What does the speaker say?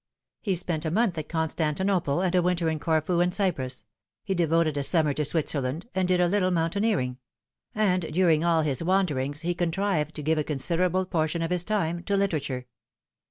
He spent a month at Con stantinople, and a winter in Corfu and Cyprus ; he devoted a summer to Switzerland, and did a little mountaineering ; and during all his wanderings he contrived to give a considerable portion of his time to literature.